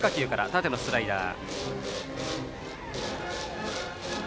縦のスライダー。